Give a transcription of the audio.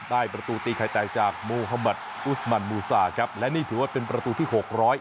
ได้ประตูตีไข่แตกจากโมฮามัติอุสมันมูซาครับและนี่ถือว่าเป็นประตูที่หกร้อย